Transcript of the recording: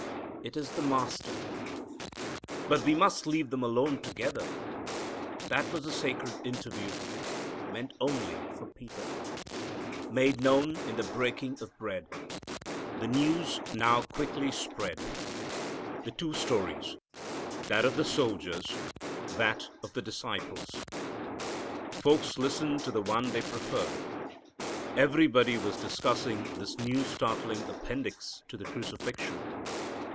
It is the Master! But we must leave them alone together. That was a sacred interview, meant only for Peter. Made Known in the Breaking of Bread. The news now quickly spread; the two stories, that of the soldiers, that of the disciples. Folks listened to the one they preferred. Everybody was discussing this new startling appendix to the crucifixion.